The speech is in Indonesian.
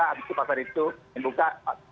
habis itu pasar itu yang buka